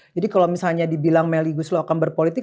jadi kalo misalnya dibilang meli gusloh akan berpolitik